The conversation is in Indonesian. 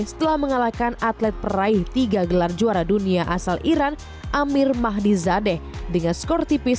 setelah mengalahkan atlet peraih tiga gelar juara dunia asal iran amir mahdi zadeh dengan skor tipis satu